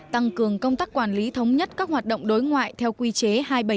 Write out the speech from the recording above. tăng cường công tác quản lý thống nhất các hoạt động đối ngoại theo quy chế hai trăm bảy mươi năm